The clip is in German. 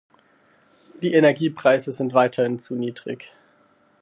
Die Energiepreise sind weiterhin zu niedrig.